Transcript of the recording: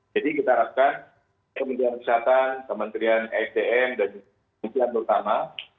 jadi kita rasakan kemudian wisata kementerian sdm dan kemudian terutama